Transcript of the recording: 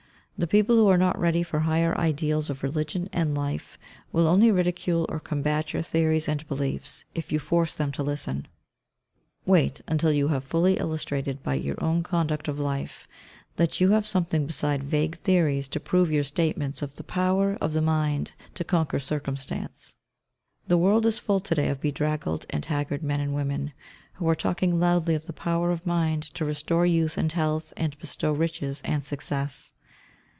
The people who are not ready for higher ideals of religion and life, will only ridicule or combat your theories and beliefs, if you force them to listen. Wait until you have fully illustrated by your own conduct of life, that you have something beside vague theories to prove your statements of the power of the mind to conquer circumstance. The world is full to day of bedraggled and haggard men and women, who are talking loudly of the power of mind to restore youth and health, and bestow riches and success.